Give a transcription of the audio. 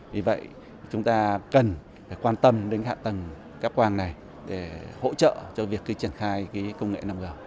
vì vậy chúng ta cần quan tâm đến hẹn tần cáp quang này để hỗ trợ cho việc triển khai công nghệ năm g